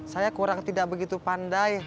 saya kurang tidak begitu pandai